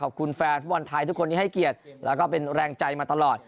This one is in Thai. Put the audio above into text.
แฟนฟุตบอลไทยทุกคนที่ให้เกียรติแล้วก็เป็นแรงใจมาตลอด